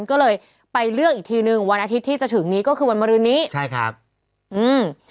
ก็เลยไปเลือกอีกทีหนึ่งวันอาทิตย์ที่จะถึงนี้ก็คือวันมรืนนี้ใช่ครับอืม